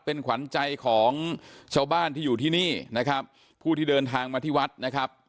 เป็นขวัญใจของชาวบ้านที่อยู่ที่นี่นะครับผู้ที่เดินทางมาที่วัดนะครับ